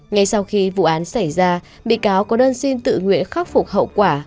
ngay sau khi vụ án xảy ra bị cáo có đơn xin tự nguyện khắc phục hậu quả